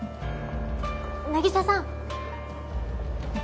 凪沙さん。